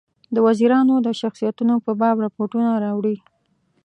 د وزیرانو د شخصیتونو په باب رپوټونه راوړي.